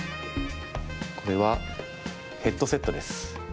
これはヘッドセットです。